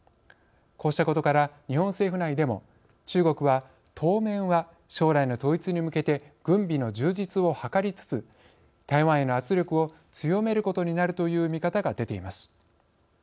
こうしたことから日本政府内でも中国は当面は将来の統一に向けて軍備の充実を図りつつ台湾への圧力を強めることになるという見方が出ています。